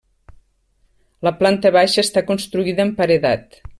La planta baixa està construïda amb paredat.